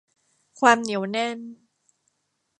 ความเหนียวแน่น